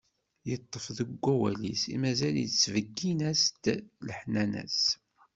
Iṭṭef deg wawal-is, mazal ittbeggin-as-d leḥnana-s.